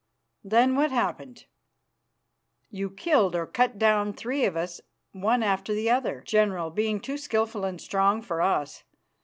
"Then what happened?" "You killed or cut down three of us one after the other, General, being too skilful and strong for us.